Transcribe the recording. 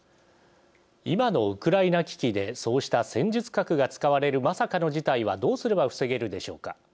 今のウクライナ危機でそうした戦術核が使われるまさかの事態はどうすれば防げるでしょうか。